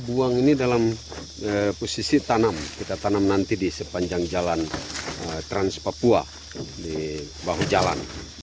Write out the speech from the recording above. buang ini dalam posisi tanam kita tanam nanti di sepanjang jalan trans papua di bahu jalan